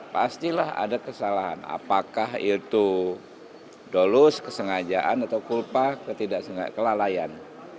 pastilah ada kesalahan apakah itu dolus kesengajaan atau kulpa kelalaian